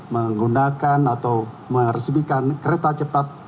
menggunakan atau meresmikan kereta cepat